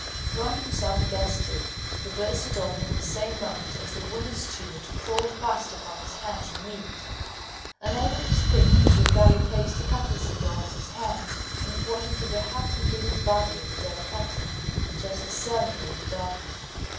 Throwing himself against it, he burst it open at the same moment as the wounded steward crawled past upon his hands and knees. Unable to speak, the Bengali placed a cutlass in the officer's hands, and pointed to the hacked and bleeding body of the dead captain, just discernible in the darkness.